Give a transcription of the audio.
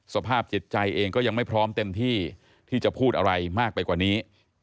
สภาพจิตใจเองก็ยังไม่พร้อมเต็มที่ที่จะพูดอะไรมากไปกว่านี้